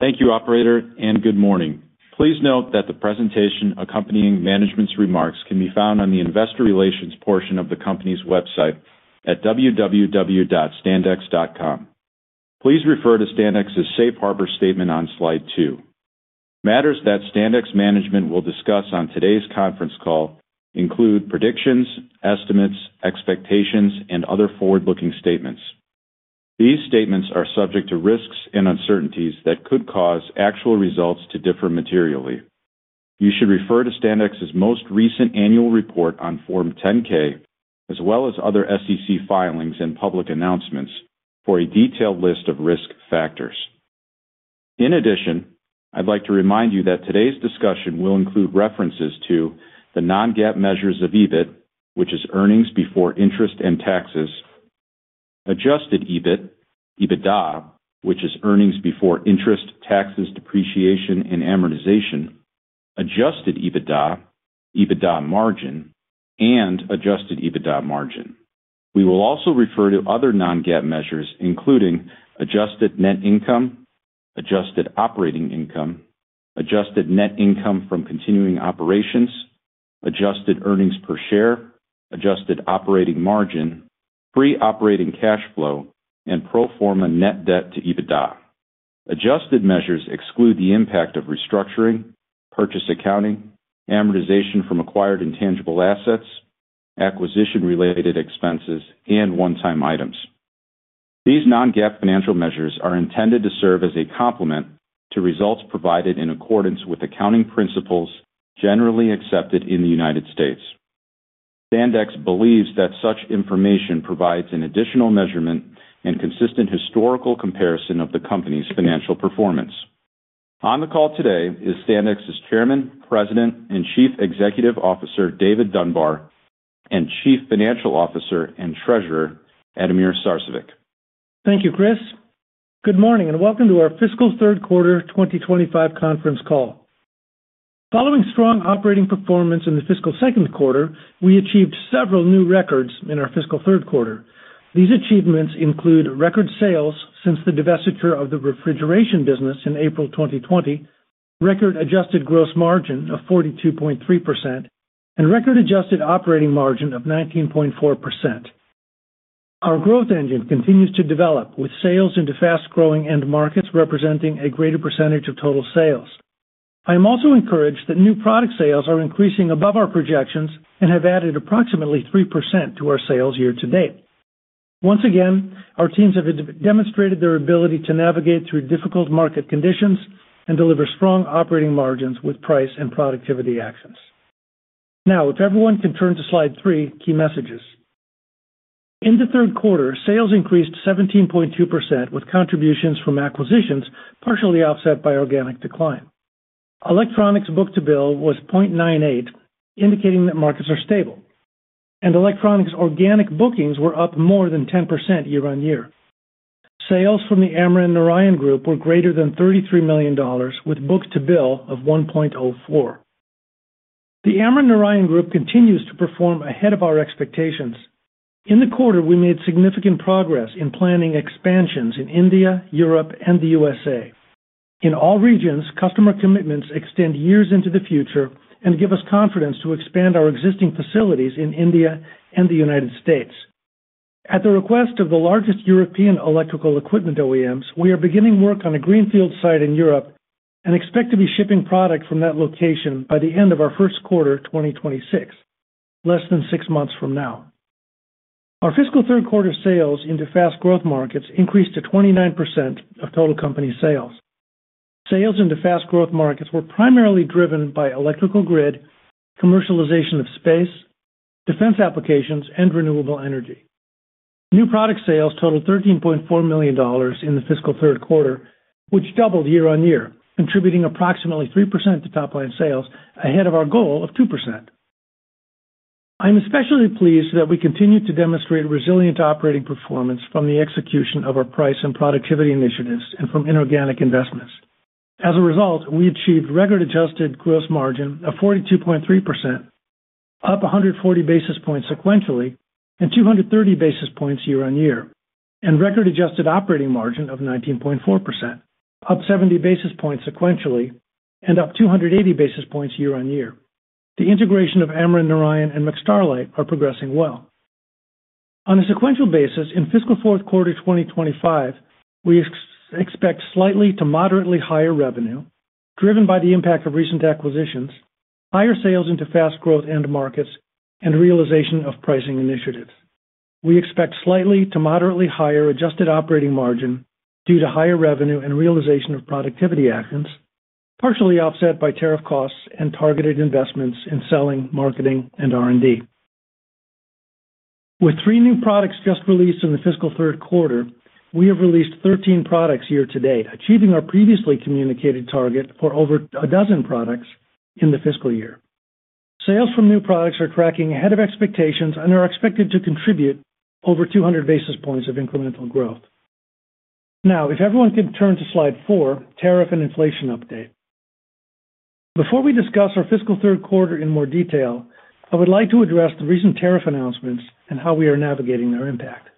Thank you, Operator, and good morning. Please note that the presentation accompanying management's remarks can be found on the Investor Relations portion of the company's website at www.standex.com. Please refer to Standex's safe harbor statement on slide two. Matters that Standex management will discuss on today's conference call include predictions, estimates, expectations, and other forward-looking statements. These statements are subject to risks and uncertainties that could cause actual results to differ materially. You should refer to Standex's most recent annual report on Form 10-K, as well as other SEC filings and public announcements, for a detailed list of risk factors. In addition, I'd like to remind you that today's discussion will include references to the non-GAAP measures of EBIT, which is earnings before interest and taxes; adjusted EBIT; EBITDA, which is earnings before interest, taxes, depreciation, and amortization; adjusted EBITDA; EBITDA margin; and adjusted EBITDA margin. We will also refer to other non-GAAP measures, including adjusted net income, adjusted operating income, adjusted net income from continuing operations, adjusted earnings per share, adjusted operating margin, free operating cash flow, and pro forma net debt to EBITDA. Adjusted measures exclude the impact of restructuring, purchase accounting, amortization from acquired intangible assets, acquisition-related expenses, and one-time items. These non-GAAP financial measures are intended to serve as a complement to results provided in accordance with accounting principles generally accepted in the United States. Standex believes that such information provides an additional measurement and consistent historical comparison of the company's financial performance. On the call today is Standex's Chairman, President, and Chief Executive Officer David Dunbar, and Chief Financial Officer and Treasurer Ademir Sarcevic. Thank you, Chris. Good morning and welcome to our fiscal third quarter 2025 conference call. Following strong operating performance in the Fiscal Second Quarter, we achieved several new records in our fiscal third quarter. These achievements include record sales since the divestiture of the refrigeration business in April 2020, record adjusted gross margin of 42.3%, and record adjusted operating margin of 19.4%. Our growth engine continues to develop, with sales into fast-growing end markets representing a greater percentage of total sales. I am also encouraged that new product sales are increasing above our projections and have added approximately 3% to our sales year to date. Once again, our teams have demonstrated their ability to navigate through difficult market conditions and deliver strong operating margins with price and productivity actions. Now, if everyone can turn to slide three, key messages. In the third quarter, sales increased 17.2% with contributions from acquisitions, partially offset by organic decline. Electronics book-to-bill was 0.98, indicating that markets are stable, and electronics organic bookings were up more than 10% year-on-year. Sales from the Amran/Narayan Group were greater than $33 million, with book-to-bill of 1.04. The Amran/Narayan Group continues to perform ahead of our expectations. In the quarter, we made significant progress in planning expansions in India, Europe, and the U.S. In all regions, customer commitments extend years into the future and give us confidence to expand our existing facilities in India and the United States. At the request of the largest European electrical equipment OEMs, we are beginning work on a greenfield site in Europe and expect to be shipping product from that location by the end of our first quarter 2026, less than six months from now. Our fiscal third quarter sales into fast-growth markets increased to 29% of total company sales. Sales into fast-growth markets were primarily driven by electrical grid, commercialization of space, defense applications, and renewable energy. New product sales totaled $13.4 million in the fiscal third quarter, which doubled year-on-year, contributing approximately 3% to top-line sales ahead of our goal of 2%. I am especially pleased that we continue to demonstrate resilient operating performance from the execution of our price and productivity initiatives and from inorganic investments. As a result, we achieved record adjusted gross margin of 42.3%, up 140 basis points sequentially and 230 basis points year-on-year, and record adjusted operating margin of 19.4%, up 70 basis points sequentially and up 280 basis points year-on-year. The integration of Amran/Narayan and McStarlite are progressing well. On a sequential basis, in Fiscal Fourth Quarter 2025, we expect slightly to moderately higher revenue, driven by the impact of recent acquisitions, higher sales into fast-growth end markets, and realization of pricing initiatives. We expect slightly to moderately higher adjusted operating margin due to higher revenue and realization of productivity actions, partially offset by tariff costs and targeted investments in selling, marketing, and R&D. With three new products just released in the fiscal third quarter, we have released 13 products year to date, achieving our previously communicated target for over a dozen products in the fiscal year. Sales from new products are tracking ahead of expectations and are expected to contribute over 200 basis points of incremental growth. Now, if everyone can turn to slide four, tariff and inflation update. Before we discuss our fiscal third quarter in more detail, I would like to address the recent tariff announcements and how we are navigating their impact.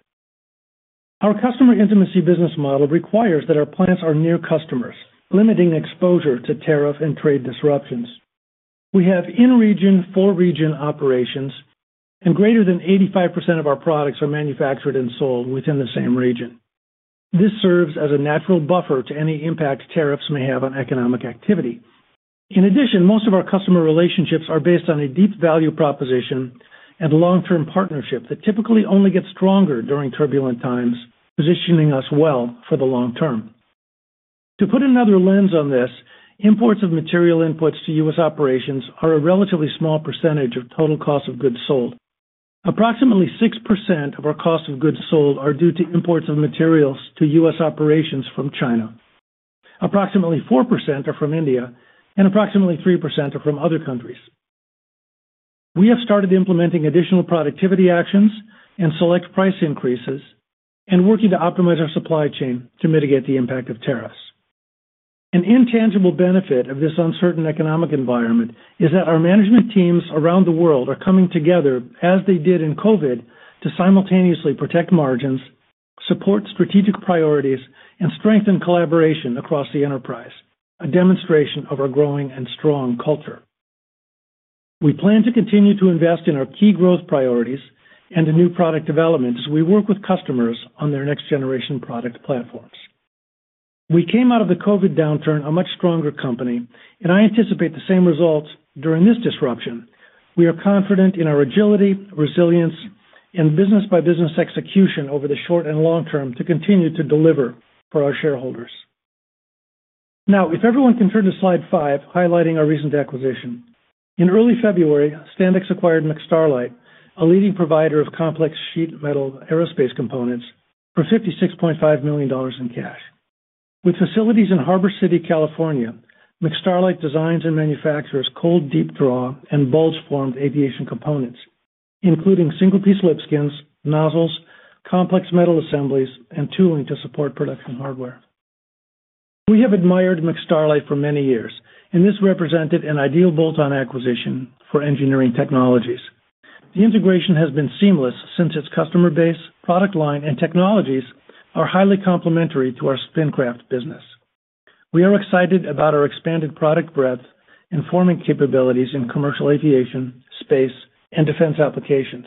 Our customer intimacy business model requires that our plants are near customers, limiting exposure to tariff and trade disruptions. We have in-region, for-region operations, and greater than 85% of our products are manufactured and sold within the same region. This serves as a natural buffer to any impact tariffs may have on economic activity. In addition, most of our customer relationships are based on a deep value proposition and long-term partnership that typically only gets stronger during turbulent times, positioning us well for the long term. To put another lens on this, imports of material inputs to U.S. operations are a relatively small percentage of total cost of goods sold. Approximately 6% of our cost of goods sold are due to imports of materials to U.S. operations from China. Approximately 4% are from India, and approximately 3% are from other countries. We have started implementing additional productivity actions and select price increases, and working to optimize our supply chain to mitigate the impact of tariffs. An intangible benefit of this uncertain economic environment is that our management teams around the world are coming together, as they did in COVID, to simultaneously protect margins, support strategic priorities, and strengthen collaboration across the enterprise, a demonstration of our growing and strong culture. We plan to continue to invest in our key growth priorities and new product development as we work with customers on their next-generation product platforms. We came out of the COVID downturn a much stronger company, and I anticipate the same results during this disruption. We are confident in our agility, resilience, and business-by-business execution over the short and long term to continue to deliver for our shareholders. Now, if everyone can turn to slide five, highlighting our recent acquisition. In early February, Standex acquired McStarlite, a leading provider of complex sheet metal aerospace components, for $56.5 million in cash. With facilities in Harbor City, California, McStarlite designs and manufactures cold deep draw and bulge-formed aviation components, including single-piece lip skins, nozzles, complex metal assemblies, and tooling to support production hardware. We have admired McStarlite for many years, and this represented an ideal bolt-on acquisition for Engineering Technologies. The integration has been seamless since its customer base, product line, and technologies are highly complementary to our Spincraft business. We are excited about our expanded product breadth and forming capabilities in commercial aviation, space, and defense applications.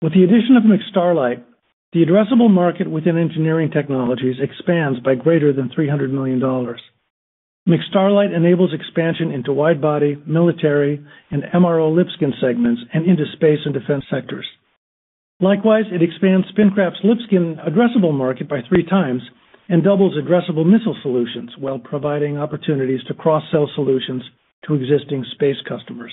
With the addition of McStarlite, the addressable market within Engineering Technologies expands by greater than $300 million. McStarlite enables expansion into wide-body, military, and MRO lip skin segments and into space and defense sectors. Likewise, it expands Spincraft's lip skin addressable market by three times and doubles addressable missile solutions while providing opportunities to cross-sell solutions to existing space customers.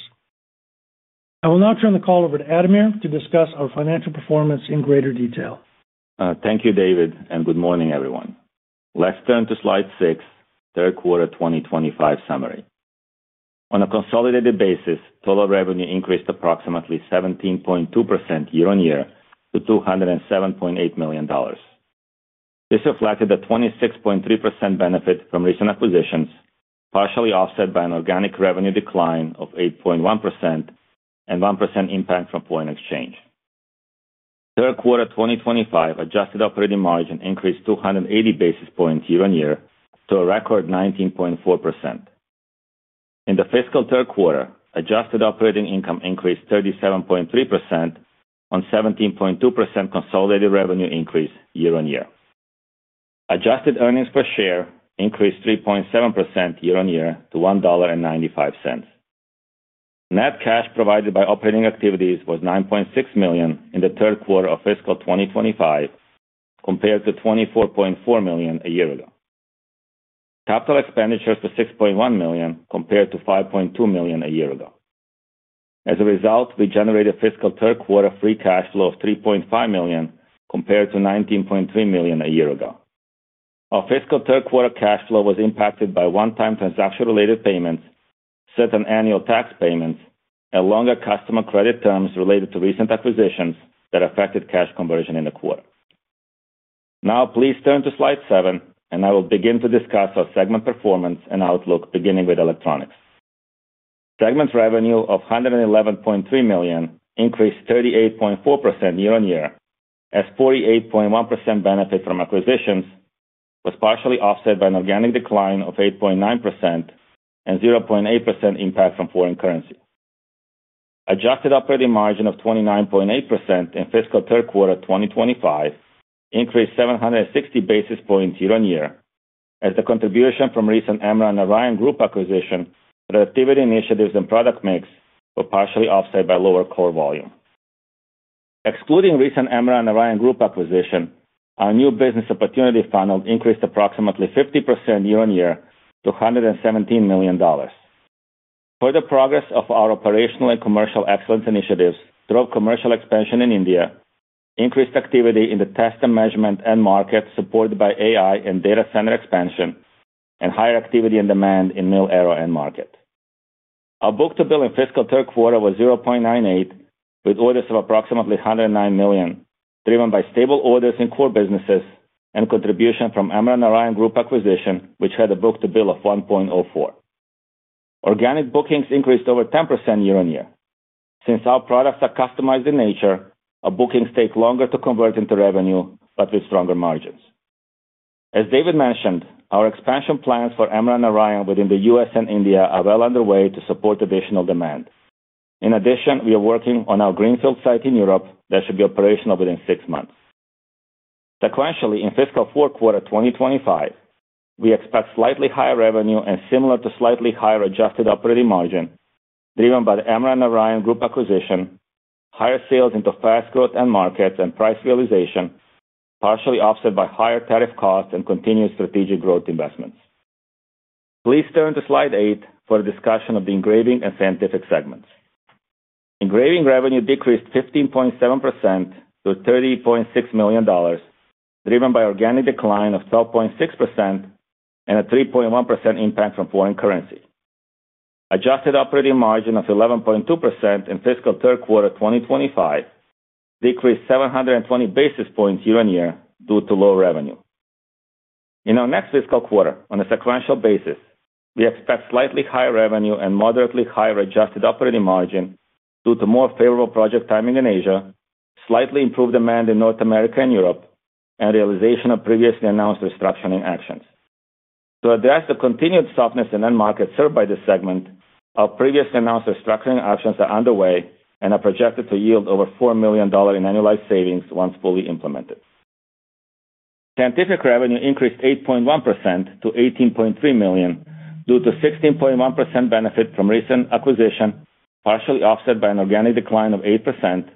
I will now turn the call over to Ademir Sarcevic to discuss our financial performance in greater detail. Thank you, David, and good morning, everyone. Let's turn to slide six, Third Quarter 2025 Summary. On a consolidated basis, total revenue increased approximately 17.2% year-on-year to $207.8 million. This reflected a 26.3% benefit from recent acquisitions, partially offset by an organic revenue decline of 8.1% and 1% impact from foreign exchange. Third Quarter 2025 adjusted operating margin increased 280 basis points year-on-year to a record 19.4%. In the fiscal third quarter, adjusted operating income increased 37.3% on 17.2% consolidated revenue increase year-on-year. Adjusted earnings per share increased 3.7% year-on-year to $1.95. Net cash provided by operating activities was $9.6 million in the third quarter of fiscal 2025, compared to $24.4 million a year ago. Capital expenditures were $6.1 million, compared to $5.2 million a year ago. As a result, we generated fiscal third quarter free cash flow of $3.5 million, compared to $19.3 million a year ago. Our fiscal third quarter cash flow was impacted by one-time transaction-related payments, certain annual tax payments, and longer customer credit terms related to recent acquisitions that affected cash conversion in the quarter. Now, please turn to slide seven, and I will begin to discuss our segment performance and outlook, beginning with Electronics. Segment revenue of $111.3 million increased 38.4% year-on-year, as 48.1% benefit from acquisitions was partially offset by an organic decline of 8.9% and 0.8% impact from foreign currency. Adjusted operating margin of 29.8% in fiscal third quarter 2025 increased 760 basis points year-on-year, as the contribution from recent Amran/Narayan Group acquisition, productivity initiatives, and product mix were partially offset by lower core volume. Excluding recent Amran/Narayan Group acquisition, our new business opportunity funnel increased approximately 50% year-on-year to $117 million. Further progress of our operational and commercial excellence initiatives drove commercial expansion in India, increased activity in the test and measurement end market supported by AI and data center expansion, and higher activity and demand in Mil-Aero end market. Our book-to-bill in fiscal third quarter was 0.98, with orders of approximately $109 million, driven by stable orders in core businesses and contribution from Amran/Narayan Group acquisition, which had a book-to-bill of 1.04. Organic bookings increased over 10% year-on-year. Since our products are customized in nature, our bookings take longer to convert into revenue, but with stronger margins. As David mentioned, our expansion plans for Amran/Narayan within the U.S. and India are well underway to support additional demand. In addition, we are working on our greenfield site in Europe that should be operational within six months. Sequentially, in fiscal fourth quarter 2025, we expect slightly higher revenue and similar to slightly higher adjusted operating margin, driven by the Amran/Narayan Group acquisition, higher sales into fast-growth end markets and price realization, partially offset by higher tariff costs and continued strategic growth investments. Please turn to slide eight for a discussion of the engraving and scientific segments. Engraving revenue decreased 15.7% to $30.6 million, driven by organic decline of 12.6% and a 3.1% impact from foreign currency. Adjusted operating margin of 11.2% in fiscal third quarter 2025 decreased 720 basis points year-on-year due to low revenue. In our next fiscal quarter, on a sequential basis, we expect slightly higher revenue and moderately higher adjusted operating margin due to more favorable project timing in Asia, slightly improved demand in North America and Europe, and realization of previously announced restructuring actions. To address the continued softness in end markets served by this segment, our previously announced restructuring actions are underway and are projected to yield over $4 million in annualized savings once fully implemented. Scientific revenue increased 8.1% to $18.3 million due to 16.1% benefit from recent acquisition, partially offset by an organic decline of 8%,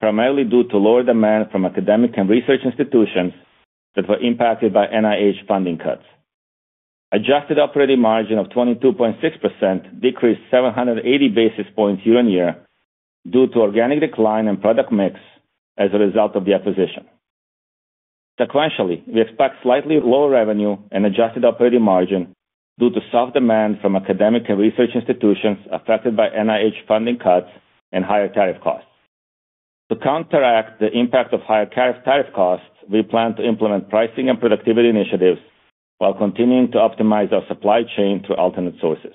primarily due to lower demand from academic and research institutions that were impacted by NIH funding cuts. Adjusted operating margin of 22.6% decreased 780 basis points year-on-year due to organic decline and product mix as a result of the acquisition. Sequentially, we expect slightly lower revenue and adjusted operating margin due to soft demand from academic and research institutions affected by NIH funding cuts and higher tariff costs. To counteract the impact of higher tariff costs, we plan to implement pricing and productivity initiatives while continuing to optimize our supply chain through alternate sources.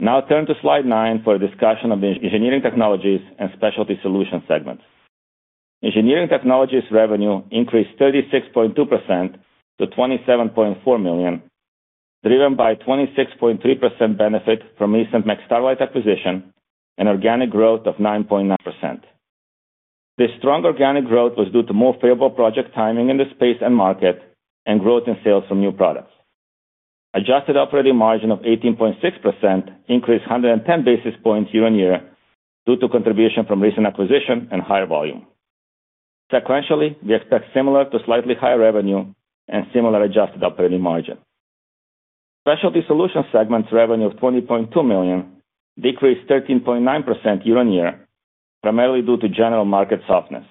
Now, turn to slide nine for a discussion of Engineering Technologies and Specialty Solutions segments. Engineering Technologies revenue increased 36.2% to $27.4 million, driven by 26.3% benefit from recent McStarlite acquisition and organic growth of 9.9%. This strong organic growth was due to more favorable project timing in the space end market and growth in sales from new products. Adjusted operating margin of 18.6% increased 110 basis points year-on-year due to contribution from recent acquisition and higher volume. Sequentially, we expect similar to slightly higher revenue and similar adjusted operating margin. Specialty Solutions segment's revenue of $20.2 million decreased 13.9% year-on-year, primarily due to general market softness.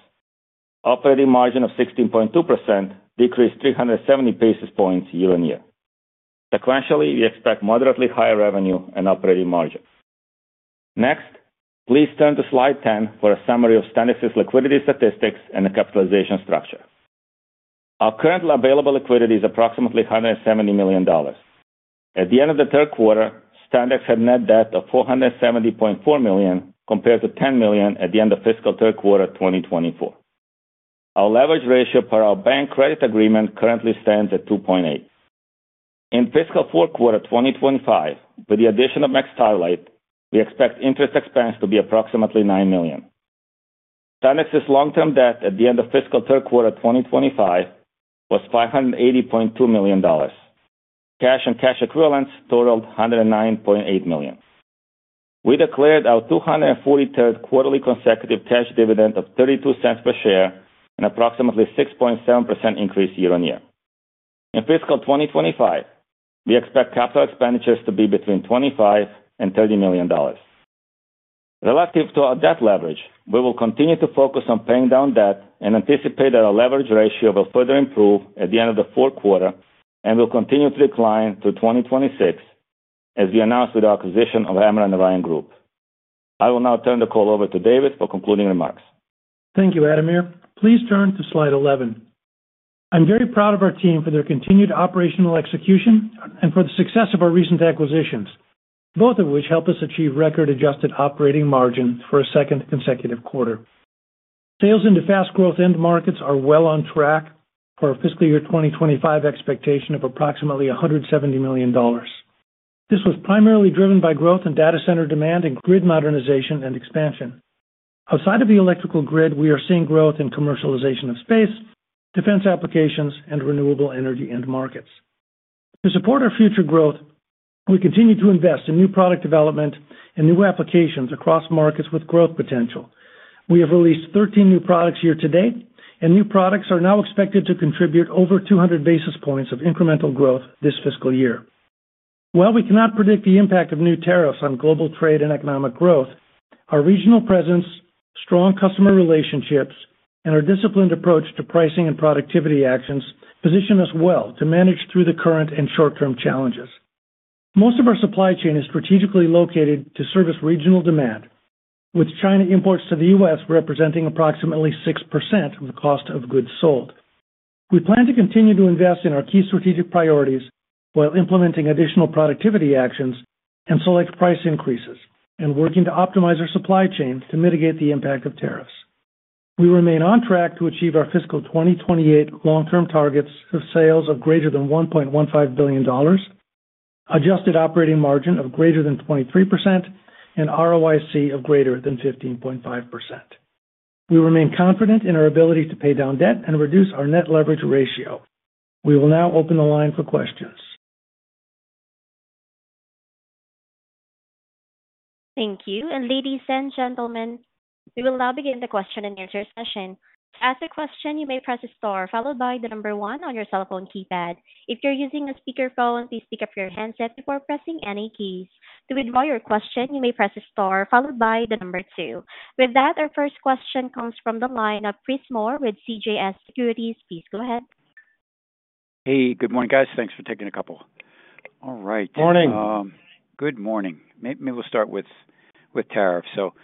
Operating margin of 16.2% decreased 370 basis points year-on-year. Sequentially, we expect moderately higher revenue and operating margin. Next, please turn to slide 10 for a summary of Standex's liquidity statistics and the capitalization structure. Our currently available liquidity is approximately $170 million. At the end of the third quarter, Standex had net debt of $470.4 million compared to $10 million at the end of fiscal third quarter 2024. Our leverage ratio per our bank credit agreement currently stands at 2.8. In fiscal fourth quarter 2025, with the addition of McStarlite, we expect interest expense to be approximately $9 million. Standex's long-term debt at the end of fiscal third quarter 2025 was $580.2 million. Cash and cash equivalents totaled $109.8 million. We declared our 243rd quarterly consecutive cash dividend of $0.32 per share and approximately 6.7% increase year-on-year. In fiscal 2025, we expect capital expenditures to be between $25 million and $30 million. Relative to our debt leverage, we will continue to focus on paying down debt and anticipate that our leverage ratio will further improve at the end of the fourth quarter and will continue to decline through 2026, as we announced with our acquisition of Amran/Narayan Group. I will now turn the call over to David for concluding remarks. Thank you, Ademir. Please turn to slide 11. I'm very proud of our team for their continued operational execution and for the success of our recent acquisitions, both of which helped us achieve record-adjusted operating margin for a second consecutive quarter. Sales into fast-growth end markets are well on track for our fiscal year 2025 expectation of approximately $170 million. This was primarily driven by growth in data center demand and grid modernization and expansion. Outside of the electrical grid, we are seeing growth in commercialization of space, defense applications, and renewable energy end markets. To support our future growth, we continue to invest in new product development and new applications across markets with growth potential. We have released 13 new products year to date, and new products are now expected to contribute over 200 basis points of incremental growth this fiscal year. While we cannot predict the impact of new tariffs on global trade and economic growth, our regional presence, strong customer relationships, and our disciplined approach to pricing and productivity actions position us well to manage through the current and short-term challenges. Most of our supply chain is strategically located to service regional demand, with China imports to the U.S. representing approximately 6% of the cost of goods sold. We plan to continue to invest in our key strategic priorities while implementing additional productivity actions and select price increases, and working to optimize our supply chain to mitigate the impact of tariffs. We remain on track to achieve our fiscal 2028 long-term targets of sales of greater than $1.15 billion, adjusted operating margin of greater than 23%, and ROIC of greater than 15.5%. We remain confident in our ability to pay down debt and reduce our net leverage ratio. We will now open the line for questions. Thank you. Ladies and gentlemen, we will now begin the question and answer session. To ask a question, you may press star followed by the number one on your cell phone keypad. If you're using a speakerphone, please pick up your handset before pressing any keys. To withdraw your question, you may press star followed by the number two. With that, our first question comes from the line of Chris Moore with CJS Securities. Please go ahead. Hey, good morning, guys. Thanks for taking a couple. All right. Good morning. Good morning. Maybe we'll start with tariffs. 6%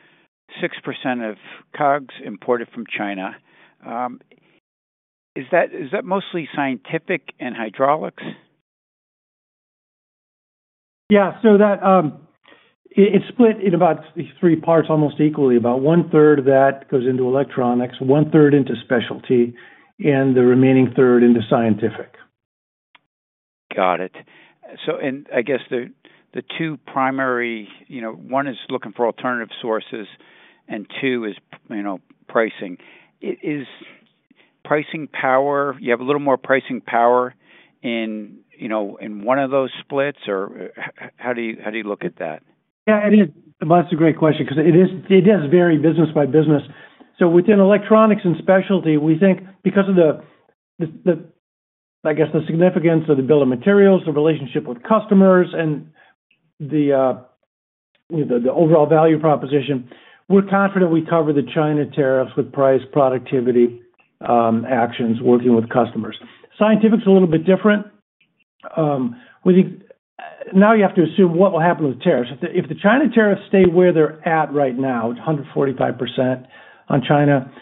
of COGS imported from China. Is that mostly Scientific and Hydraulics? Yeah. So it's split in about three parts almost equally. About one-third of that goes into Electronics, one-third into Specialty, and the remaining third into Scientific. Got it. I guess the two primary—one is looking for alternative sources, and two is pricing. Is pricing power—do you have a little more pricing power in one of those splits, or how do you look at that? Yeah, it is. That's a great question because it does vary business by business. Within electronics and specialty, we think because of the, I guess, the significance of the bill of materials, the relationship with customers, and the overall value proposition, we're confident we cover the China tariffs with price, productivity actions, working with customers. Scientific's a little bit different. Now you have to assume what will happen with tariffs. If the China tariffs stay where they're at right now, 145% on China,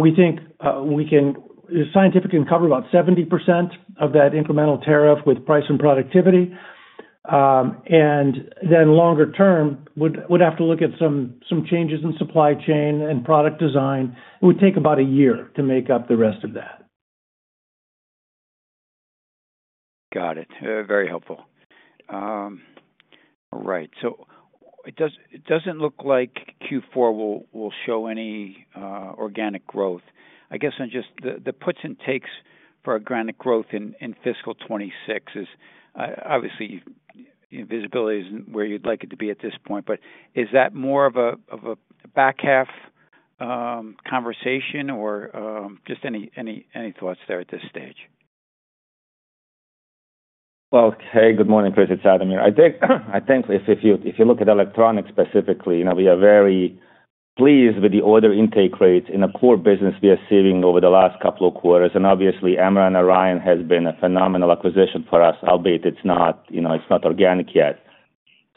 we think we can—scientific can cover about 70% of that incremental tariff with price and productivity. Longer term, we'd have to look at some changes in supply chain and product design. It would take about a year to make up the rest of that. Got it. Very helpful. All right. It does not look like Q4 will show any organic growth. I guess the puts and takes for organic growth in fiscal 2026 is obviously visibility is not where you would like it to be at this point, but is that more of a back half conversation or just any thoughts there at this stage? Good morning, Chris. It's Ademir. I think if you look at electronics specifically, we are very pleased with the order intake rates in a core business we are seeing over the last couple of quarters. Obviously, Amran/Narayan has been a phenomenal acquisition for us, albeit it's not organic yet.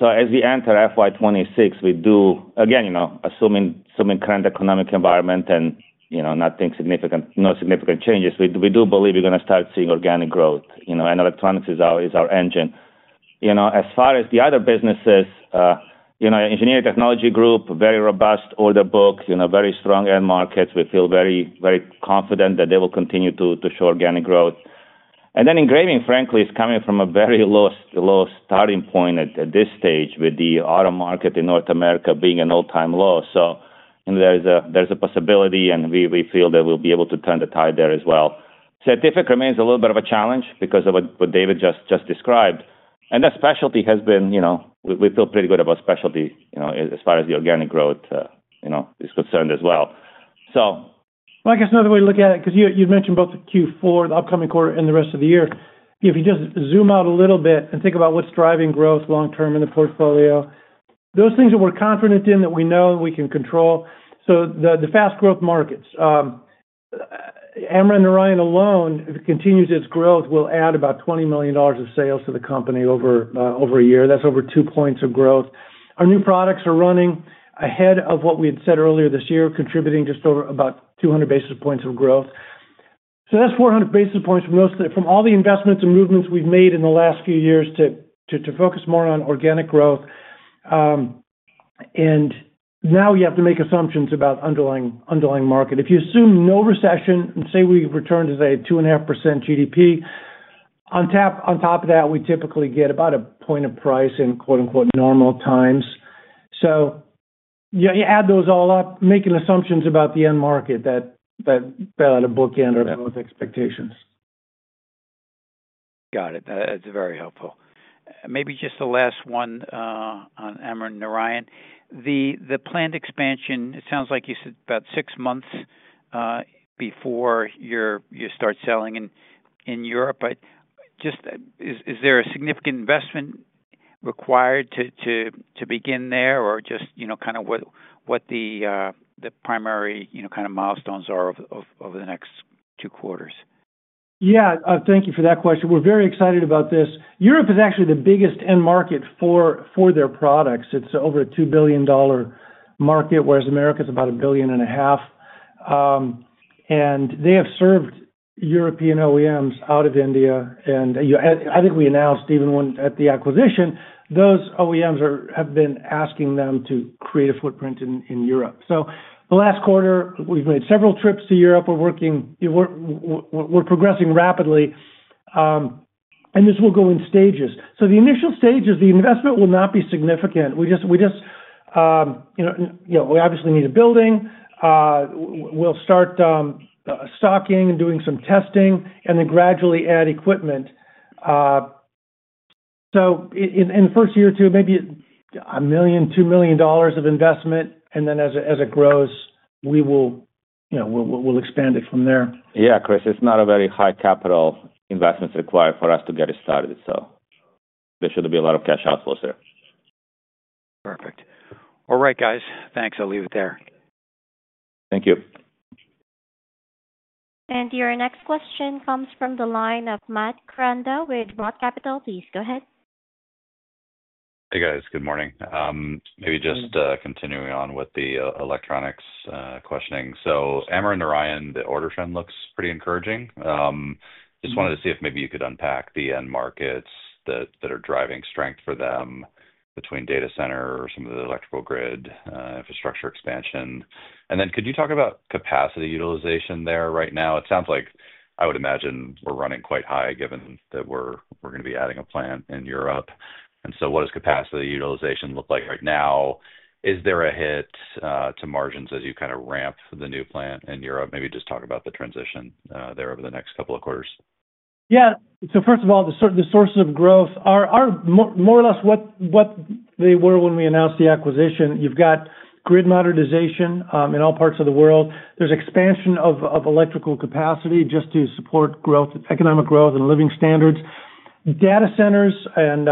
As we enter FY2026, we do, again, assuming current economic environment and nothing significant, no significant changes, we do believe we're going to start seeing organic growth. Electronics is our engine. As far as the other businesses, Engineering Technology Group, very robust order book, very strong end markets. We feel very confident that they will continue to show organic growth. Engraving, frankly, is coming from a very low starting point at this stage with the auto market in North America being an all-time low. There is a possibility, and we feel that we'll be able to turn the tide there as well. Scientific remains a little bit of a challenge because of what David just described. Specialty has been—we feel pretty good about specialty as far as the organic growth is concerned as well. I guess another way to look at it, because you've mentioned both the Q4, the upcoming quarter, and the rest of the year, if you just zoom out a little bit and think about what's driving growth long-term in the portfolio, those things that we're confident in that we know we can control. The fast-growth markets, Amran/Narayan alone, if it continues its growth, will add about $20 million of sales to the company over a year. That's over two points of growth. Our new products are running ahead of what we had said earlier this year, contributing just about 200 basis points of growth. That's 400 basis points from all the investments and movements we've made in the last few years to focus more on organic growth. Now you have to make assumptions about underlying market. If you assume no recession and say we've returned to, say, 2.5% GDP, on top of that, we typically get about a point of price in "normal" times. You add those all up, making assumptions about the end market that better out of bookend or better with expectations. Got it. That's very helpful. Maybe just the last one on Amran/Narayan. The planned expansion, it sounds like you said about six months before you start selling in Europe. Is there a significant investment required to begin there or just kind of what the primary kind of milestones are over the next two quarters? Yeah. Thank you for that question. We're very excited about this. Europe is actually the biggest end market for their products. It's over a $2 billion market, whereas America is about a billion and a half. They have served European OEMs out of India. I think we announced even at the acquisition, those OEMs have been asking them to create a footprint in Europe. The last quarter, we've made several trips to Europe. We're progressing rapidly, and this will go in stages. The initial stages, the investment will not be significant. We obviously need a building. We'll start stocking and doing some testing and then gradually add equipment. In the first year or two, maybe $1 million, $2 million of investment. As it grows, we will expand it from there. Yeah, Chris, it's not a very high capital investment required for us to get it started. There shouldn't be a lot of cash outflows there. Perfect. All right, guys. Thanks. I'll leave it there. Thank you. Your next question comes from the line of Matt Koranda with Roth Capital. Please go ahead. Hey, guys. Good morning. Maybe just continuing on with the electronics questioning. So Amran/Narayan, the order trend looks pretty encouraging. Just wanted to see if maybe you could unpack the end markets that are driving strength for them between data center or some of the electrical grid infrastructure expansion. And then could you talk about capacity utilization there right now? It sounds like, I would imagine, we're running quite high given that we're going to be adding a plant in Europe. And so what does capacity utilization look like right now? Is there a hit to margins as you kind of ramp the new plant in Europe? Maybe just talk about the transition there over the next couple of quarters. Yeah. First of all, the sources of growth are more or less what they were when we announced the acquisition. You've got grid modernization in all parts of the world. There's expansion of electrical capacity just to support growth, economic growth, and living standards. Data centers and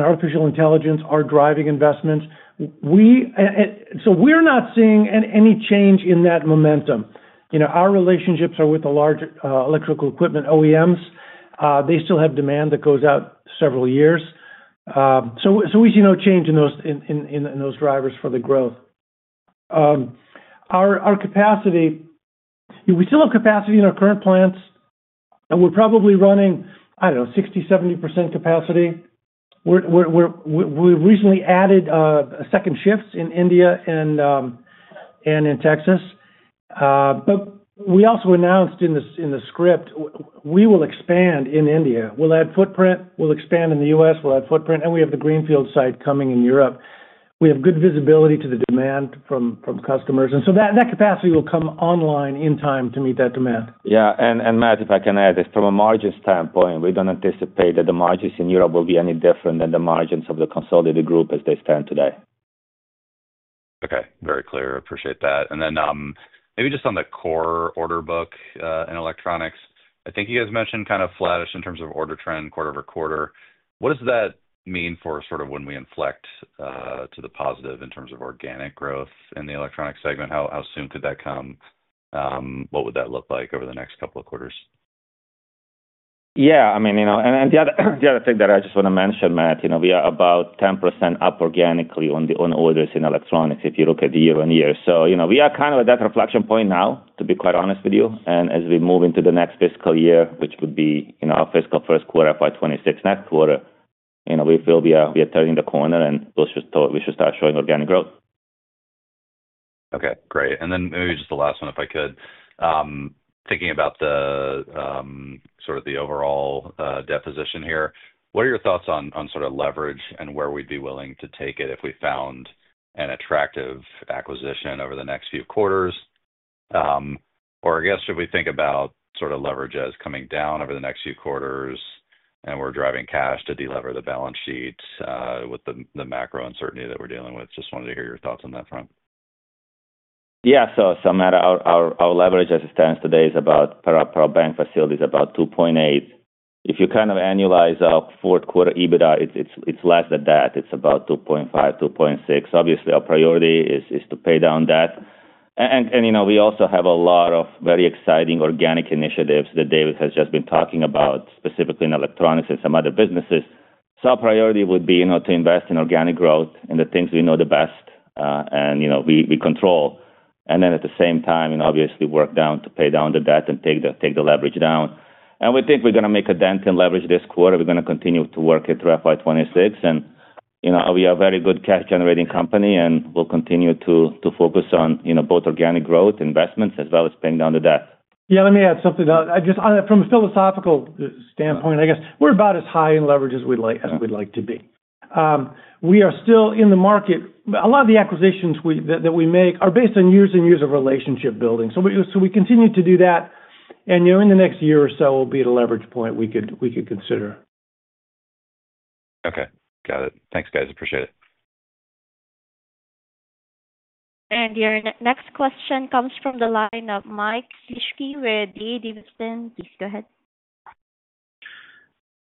artificial intelligence are driving investments. We're not seeing any change in that momentum. Our relationships are with the large electrical equipment OEMs. They still have demand that goes out several years. We see no change in those drivers for the growth. Our capacity, we still have capacity in our current plants. We're probably running, I don't know, 60-70% capacity. We've recently added second shifts in India and in Texas. We also announced in the script, we will expand in India. We'll add footprint. We'll expand in the U.S. We'll add footprint. We have the Greenfield site coming in Europe. We have good visibility to the demand from customers. That capacity will come online in time to meet that demand. Yeah. Matt, if I can add it, from a margin standpoint, we do not anticipate that the margins in Europe will be any different than the margins of the consolidated group as they stand today. Okay. Very clear. Appreciate that. Maybe just on the core order book in electronics, I think you guys mentioned kind of flattish in terms of order trend quarter over quarter. What does that mean for sort of when we inflect to the positive in terms of organic growth in the electronic segment? How soon could that come? What would that look like over the next couple of quarters? Yeah. I mean, and the other thing that I just want to mention, Matt, we are about 10% up organically on orders in Electronics if you look at year-on-year. We are kind of at that reflection point now, to be quite honest with you. As we move into the next fiscal year, which would be our fiscal first quarter, FY2026, next quarter, we feel we are turning the corner, and we should start showing organic growth. Okay. Great. Maybe just the last one, if I could. Thinking about sort of the overall deposition here, what are your thoughts on sort of leverage and where we'd be willing to take it if we found an attractive acquisition over the next few quarters? I guess should we think about sort of leverage as coming down over the next few quarters and we're driving cash to delever the balance sheet with the macro uncertainty that we're dealing with? Just wanted to hear your thoughts on that front. Yeah. Matt, our leverage as it stands today is about, per our bank facility, about 2.8. If you kind of annualize our fourth quarter EBITDA, it's less than that. It's about 2.5-2.6. Obviously, our priority is to pay down that. We also have a lot of very exciting organic initiatives that David has just been talking about, specifically in electronics and some other businesses. Our priority would be to invest in organic growth and the things we know the best and we control. At the same time, obviously, work down to pay down the debt and take the leverage down. We think we're going to make a dent in leverage this quarter. We're going to continue to work it through FY2026. We are a very good cash-generating company, and we will continue to focus on both organic growth investments as well as paying down the debt. Yeah. Let me add something. Just from a philosophical standpoint, I guess we're about as high in leverage as we'd like to be. We are still in the market. A lot of the acquisitions that we make are based on years and years of relationship building. We continue to do that. In the next year or so, it will be at a leverage point we could consider. Okay. Got it. Thanks, guys. Appreciate it. Your next question comes from the line of Mike Shlisky with Davidson. Please go ahead.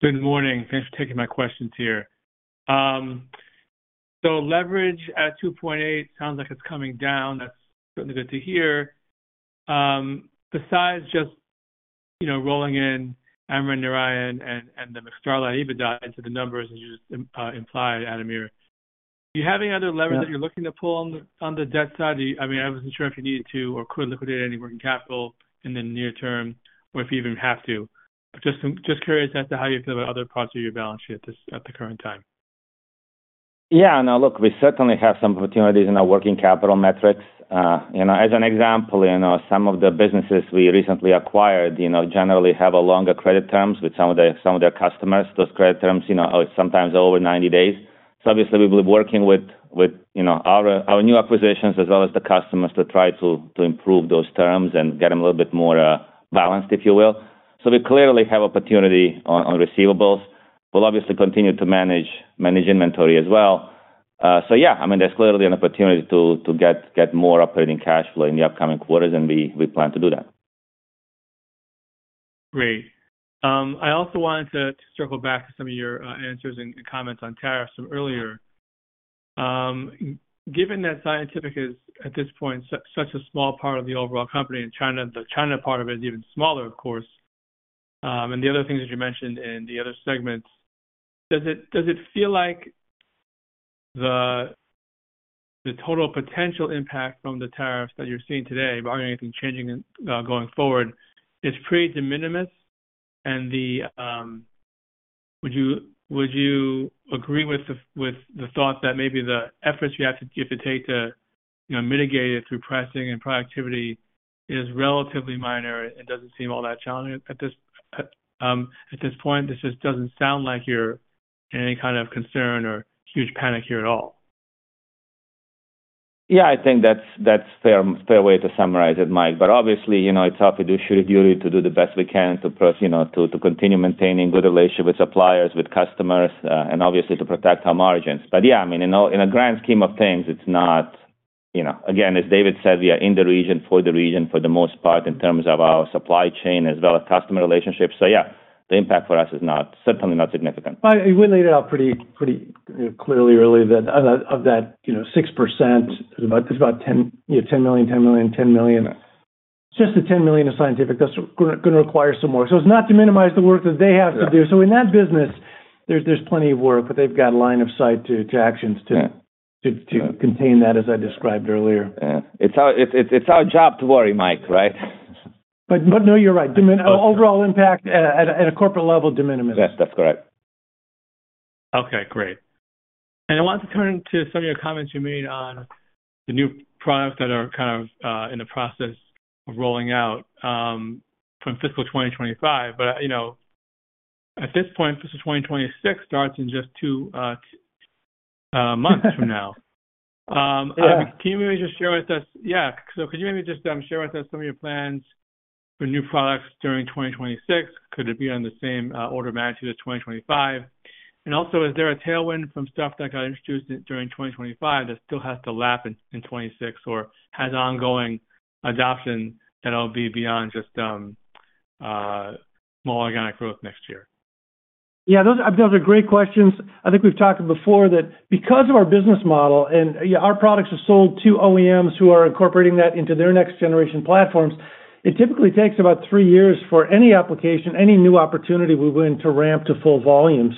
Good morning. Thanks for taking my questions here. Leverage at 2.8 sounds like it's coming down. That's certainly good to hear. Besides just rolling in Amran/Narayan and the McStarlite EBITDA into the numbers as you just implied, Ademir, do you have any other leverage that you're looking to pull on the debt side? I mean, I wasn't sure if you needed to or could liquidate any working capital in the near term or if you even have to. Just curious as to how you feel about other parts of your balance sheet at the current time. Yeah. Now, look, we certainly have some opportunities in our working capital metrics. As an example, some of the businesses we recently acquired generally have longer credit terms with some of their customers. Those credit terms are sometimes over 90 days. Obviously, we've been working with our new acquisitions as well as the customers to try to improve those terms and get them a little bit more balanced, if you will. We clearly have opportunity on receivables. We'll obviously continue to manage inventory as well. Yeah, I mean, there's clearly an opportunity to get more operating cash flow in the upcoming quarters, and we plan to do that. Great. I also wanted to circle back to some of your answers and comments on tariffs from earlier. Given that Scientific is at this point such a small part of the overall company in China, the China part of it is even smaller, of course. The other things that you mentioned in the other segments, does it feel like the total potential impact from the tariffs that you're seeing today, barring anything changing going forward, is pretty de minimis? Would you agree with the thought that maybe the efforts you have to take to mitigate it through pressing and proactivity is relatively minor and doesn't seem all that challenging at this point? This just doesn't sound like you're in any kind of concern or huge panic here at all. Yeah. I think that's a fair way to summarize it, Mike. Obviously, it's our fiduciary duty to do the best we can to continue maintaining good relationships with suppliers, with customers, and obviously to protect our margins. Yeah, I mean, in a grand scheme of things, it's not, again, as David said, we are in the region for the region for the most part in terms of our supply chain as well as customer relationships. Yeah, the impact for us is certainly not significant. We laid it out pretty clearly earlier that of that 6%, it's about $10 million, $10 million, $10 million. Just the $10 million of Scientific, that's going to require some work. It's not to minimize the work that they have to do. In that business, there's plenty of work, but they've got a line of sight to actions to contain that, as I described earlier. Yeah. It's our job to worry, Mike, right? No, you're right. Overall impact at a corporate level, de minimis. Yes. That's correct. Okay. Great. I wanted to turn to some of your comments you made on the new products that are kind of in the process of rolling out from fiscal 2025. At this point, fiscal 2026 starts in just two months from now. Can you maybe just share with us? Yeah. Could you maybe just share with us some of your plans for new products during 2026? Could it be on the same order of magnitude as 2025? Also, is there a tailwind from stuff that got introduced during 2025 that still has to lap in 2026 or has ongoing adoption that'll be beyond just small organic growth next year? Yeah. Those are great questions. I think we've talked before that because of our business model and our products are sold to OEMs who are incorporating that into their next-generation platforms, it typically takes about three years for any application, any new opportunity we win to ramp to full volume.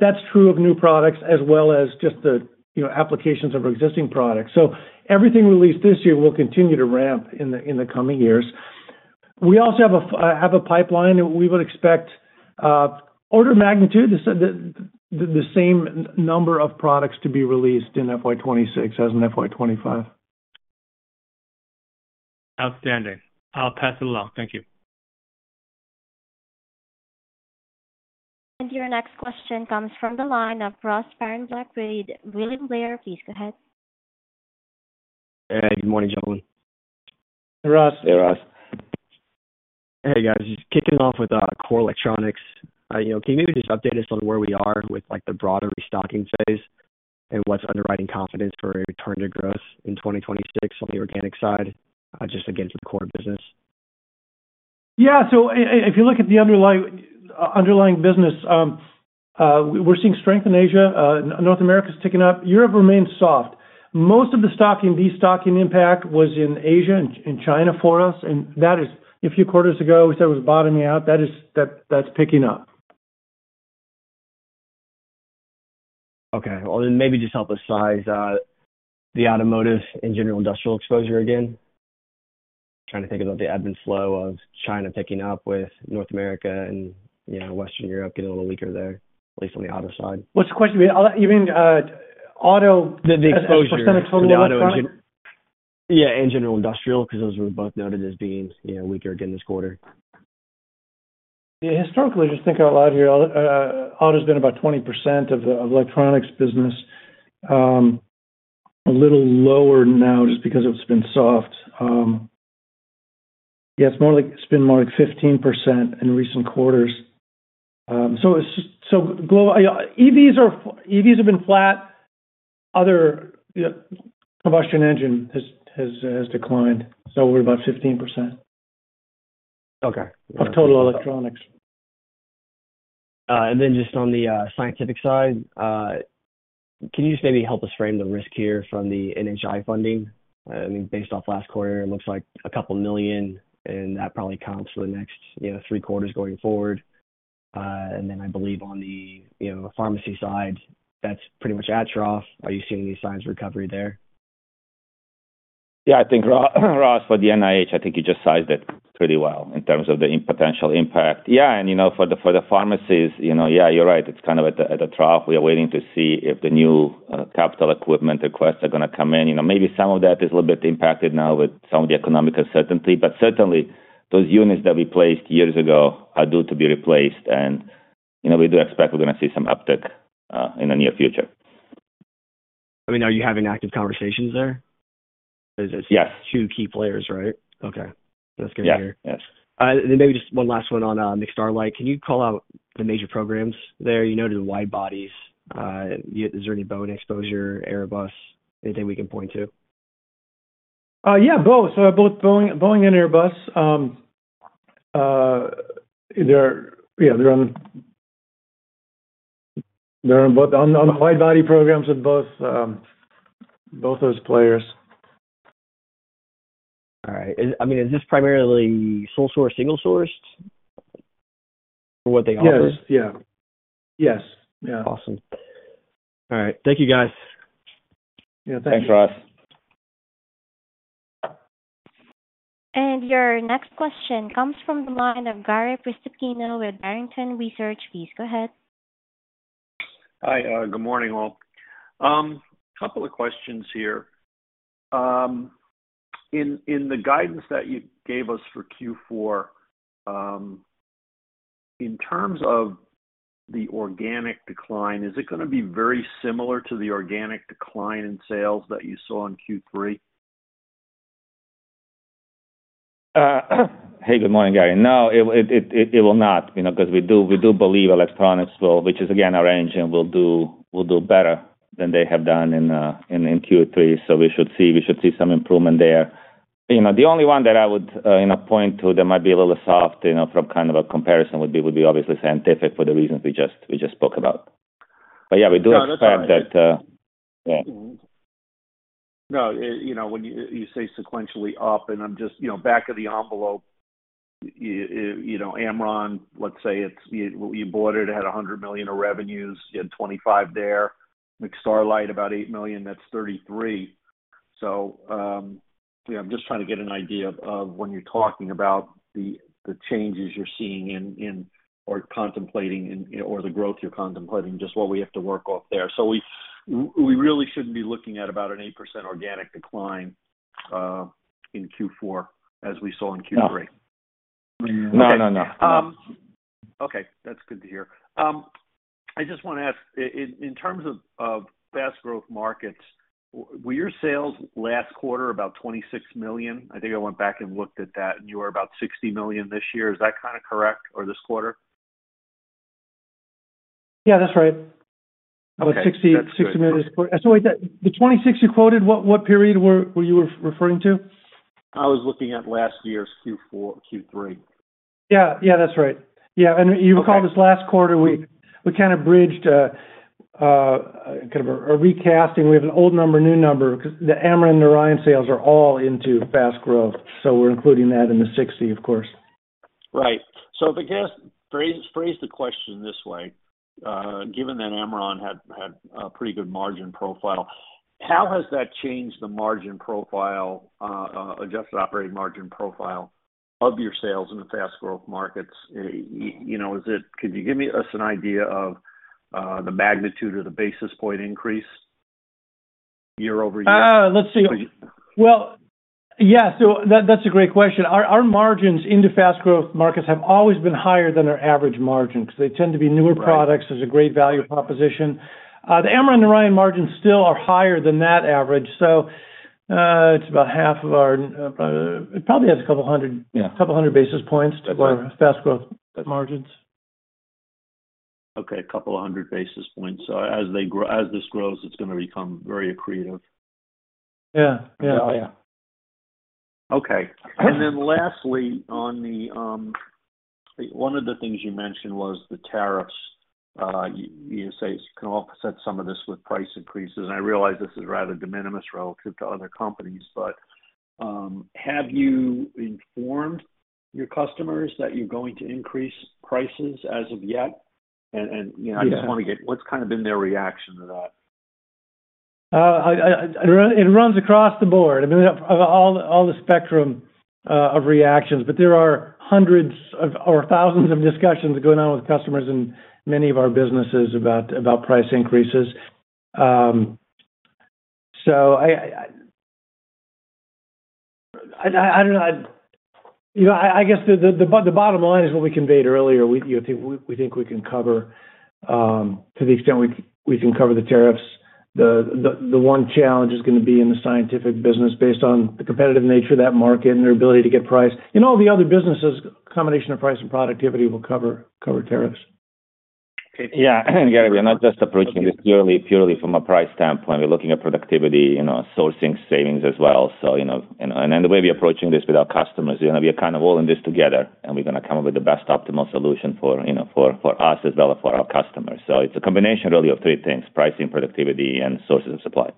That is true of new products as well as just the applications of our existing products. Everything released this year will continue to ramp in the coming years. We also have a pipeline. We would expect order of magnitude, the same number of products to be released in FY2026 as in FY2025. Outstanding. I'll pass it along. Thank you. Your next question comes from the line of Ross Sparenblek, William Blair. Please go ahead. Hey. Good morning, gentlemen. Hey, Ross. Hey, Ross. Hey, guys. Just kicking off with core electronics. Can you maybe just update us on where we are with the broader restocking phase and what's underwriting confidence for return to growth in 2026 on the organic side just against the core business? Yeah. If you look at the underlying business, we're seeing strength in Asia. North America is ticking up. Europe remains soft. Most of the stocking destocking impact was in Asia and China for us. That is a few quarters ago. We said it was bottoming out. That's picking up. Okay. Well, then maybe just help us size the automotive and general industrial exposure again. Trying to think about the ebb and flow of China picking up with North America and Western Europe getting a little weaker there, at least on the auto side. What's the question? You mean auto? The exposure. Percent of total auto? Yeah. General industrial because those were both noted as being weaker again this quarter. Yeah. Historically, just think out loud here, auto has been about 20% of the electronics business. A little lower now just because it's been soft. Yeah. It's been more like 15% in recent quarters. EVs have been flat. Other combustion engine has declined. We're about 15% of total electronics. On the Scientific side, can you just maybe help us frame the risk here from the NIH funding? I mean, based off last quarter, it looks like a couple of million, and that probably comps for the next three quarters going forward. I believe on the pharmacy side, that's pretty much at trough. Are you seeing any signs of recovery there? Yeah. I think, Ross, for the NIH, I think you just sized it pretty well in terms of the potential impact. Yeah. For the pharmacies, yeah, you're right. It's kind of at a trough. We are waiting to see if the new capital equipment requests are going to come in. Maybe some of that is a little bit impacted now with some of the economic uncertainty. Certainly, those units that we placed years ago are due to be replaced. We do expect we're going to see some uptick in the near future. I mean, are you having active conversations there? Because it's two key players, right? Okay. That's good to hear. Yes. Yes. Maybe just one last one on McStarlite. Can you call out the major programs there? You noted wide-bodies. Is there any Boeing exposure, Airbus? Anything we can point to? Yeah. Both. Both Boeing and Airbus. Yeah. They're both on the wide-body programs with both those players. All right. I mean, is this primarily sole-sourced, single-sourced for what they offer? Yes. Yeah. Yes. Yeah. Awesome. All right. Thank you, guys. Yeah. Thanks, Ross. Your next question comes from the line of Gary Prestopino with Barrington Research. Please go ahead. Hi. Good morning, all. A couple of questions here. In the guidance that you gave us for Q4, in terms of the organic decline, is it going to be very similar to the organic decline in sales that you saw in Q3? Hey. Good morning, Gary. No. It will not because we do believe electronics will, which is, again, our engine will do better than they have done in Q3. We should see some improvement there. The only one that I would point to that might be a little soft from kind of a comparison would be obviously Scientific for the reasons we just spoke about. Yeah, we do expect that. No, no. No. When you say sequentially up, and I'm just back of the envelope, Amran, let's say you bought it, it had $100 million of revenues. You had $25 there. McStarlite, about $8 million. That's $33. So I'm just trying to get an idea of when you're talking about the changes you're seeing or contemplating or the growth you're contemplating, just what we have to work off there. So we really shouldn't be looking at about an 8% organic decline in Q4 as we saw in Q3. No. No. No. Okay. That's good to hear. I just want to ask, in terms of fast-growth markets, were your sales last quarter about $26 million? I think I went back and looked at that, and you were about $60 million this year. Is that kind of correct or this quarter? Yeah. That's right. About $60 million this quarter. The $26 million you quoted, what period were you referring to? I was looking at last year's Q3. Yeah. Yeah. That's right. Yeah. You recall this last quarter, we kind of bridged kind of a recasting. We have an old number, new number. The Amran/Narayan sales are all into fast growth. We're including that in the 60, of course. Right. If I can just phrase the question this way, given that Amran had a pretty good margin profile, how has that changed the margin profile, adjusted operating margin profile of your sales in the fast-growth markets? Could you give us an idea of the magnitude of the basis point increase year-over-year? Let's see. Yeah. That's a great question. Our margins in the fast-growth markets have always been higher than our average margin because they tend to be newer products. There's a great value proposition. The Amran/Narayan margins still are higher than that average. It's about half of our it probably has a couple of hundred basis points to our fast-growth margins. A couple of hundred basis points. As this grows, it's going to become very accretive. Yeah. Yeah. Oh, yeah. Okay. Lastly, one of the things you mentioned was the tariffs. You say you can offset some of this with price increases. I realize this is rather de minimis relative to other companies, but have you informed your customers that you're going to increase prices as of yet? I just want to get what's kind of been their reaction to that? It runs across the board. I mean, all the spectrum of reactions. There are hundreds or thousands of discussions going on with customers in many of our businesses about price increases. I do not know. I guess the bottom line is what we conveyed earlier. We think we can cover to the extent we can cover the tariffs. The one challenge is going to be in the Scientific business based on the competitive nature of that market and their ability to get price. In all the other businesses, a combination of price and productivity will cover tariffs. Yeah. Gary, we're not just approaching this purely from a price standpoint. We're looking at productivity, sourcing, savings as well. The way we're approaching this with our customers, we are kind of all in this together, and we're going to come up with the best optimal solution for us as well as for our customers. It is a combination really of three things: pricing, productivity, and sources of supply.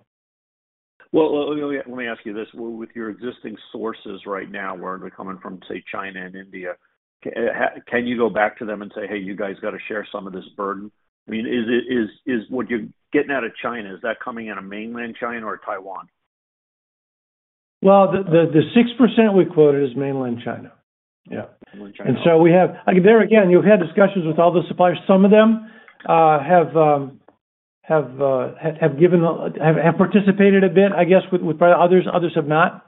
Let me ask you this. With your existing sources right now, where are they coming from, say, China and India? Can you go back to them and say, "Hey, you guys got to share some of this burden"? I mean, is what you're getting out of China, is that coming out of mainland China or Taiwan? The 6% we quoted is mainland China. Yeah. We have there, again, you have had discussions with all the suppliers. Some of them have participated a bit, I guess, with others. Others have not.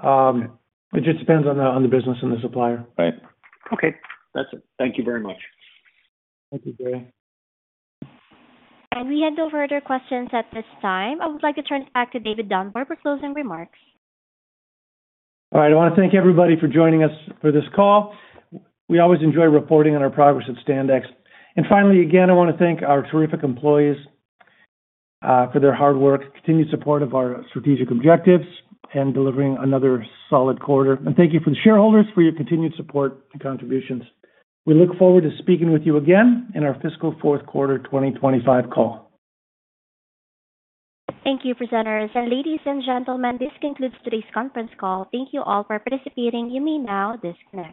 It just depends on the business and the supplier. Right. Okay. That's it. Thank you very much. Thank you, Gary. We have no further questions at this time. I would like to turn it back to David Dunbar for closing remarks. All right. I want to thank everybody for joining us for this call. We always enjoy reporting on our progress at Standex. Finally, again, I want to thank our terrific employees for their hard work, continued support of our strategic objectives, and delivering another solid quarter. Thank you to the shareholders for your continued support and contributions. We look forward to speaking with you again in our fiscal fourth quarter 2025 call. Thank you, presenters. Ladies and gentlemen, this concludes today's conference call. Thank you all for participating. You may now disconnect.